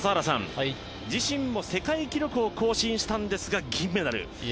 自身も世界記録を更新したんですが、銀メダル。